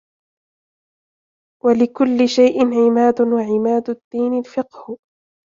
وَلِكُلِّ شَيْءٍ عِمَادٌ وَعِمَادُ الدِّينِ الْفِقْهُ